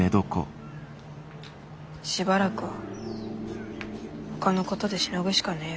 しばらくは他のことでしのぐしかねえよ。